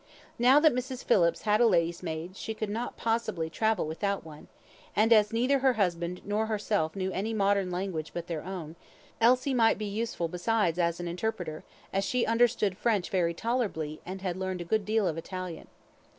Now that Mrs. Phillips had a lady's maid, she could not possibly travel without one; and as neither her husband nor herself knew any modern language but their own, Elsie might be useful besides as an interpreter, as she understood French very tolerably, and had learned a good deal of Italian.